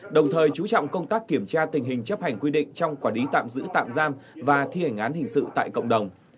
đồng thời chú trọng công tác kiểm tra tình hình chấp hành quy định trong quản lý tạm giữ tạm giam và thi hành án hình sự tại cộng đồng